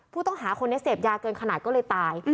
ผู้ต้องหาคนนี้เสพยาเกินขนาดก็เลยตาย